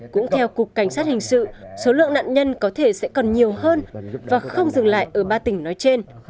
cũng theo cục cảnh sát hình sự số lượng nạn nhân có thể sẽ còn nhiều hơn và không dừng lại ở ba tỉnh nói trên